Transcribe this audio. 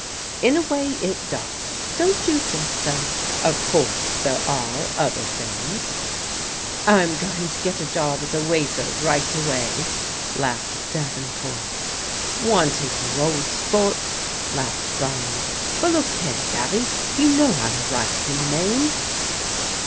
" In a way it does. Don't you think so? Of course there are other things/' " Fm going to get a job as a waiter right away," laughed Davenport. " One to you, old sport/' laughed Barnes. " But look here, Dawy, you know I'm right in the main."